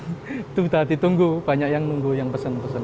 itu udah ditunggu banyak yang nunggu yang pesen pesen